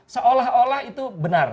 seolah olah itu benar